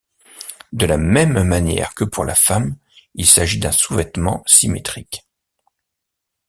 De la même manière que pour la femme, il s'agit d'un sous-vêtement symétrique.